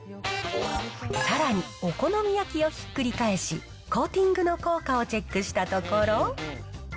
さらに、お好み焼きをひっくり返し、コーティングの効果をチェックしたところ。